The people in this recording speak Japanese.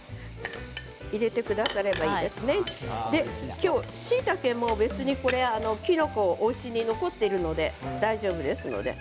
今日、しいたけも別にきのこ、おうちで残っているもので大丈夫ですので。